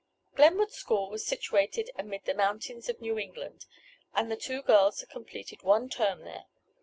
Glenwood School was situated amid the mountains of New England, and the two girls had completed one term there.